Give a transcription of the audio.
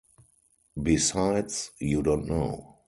Besides, you don't know.